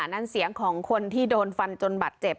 นั่นเสียงของคนที่โดนฟันจนบัตรเจ็บ